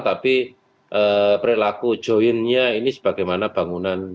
tapi perilaku join nya ini sebagaimana bangunan